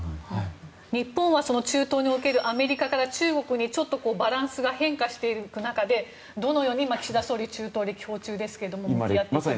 日本は中東におけるアメリカと中国がバランスが変化していく中でどのように岸田総理は中東に歴訪中ですがやっていったらいいでしょうか。